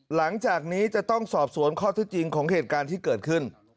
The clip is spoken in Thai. หลังจากนี้จะต้องสอบสวนข้อที่จริงของเหตุการณ์ที่เกิดขึ้น